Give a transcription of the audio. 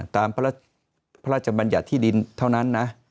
ตามพระราชบัญญัติที่ดินเท่านั้นนะ